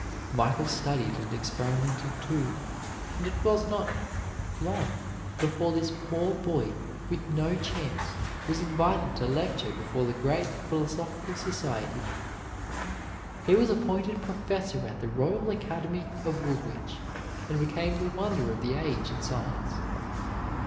Michael studied and experimented, too, and it was not long before this poor boy with no chance was invited to lecture before the great philosophical society. He was appointed professor at the Royal Academy of Woolwich, and became the wonder of the age in science.